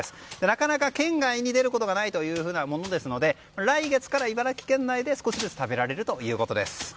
なかなか県外に出ることがないものですので来月から茨城県内で少しずつ食べられるということです。